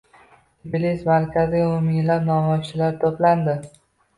Tbilisi markaziga o‘n minglab namoyishchilar to‘plandi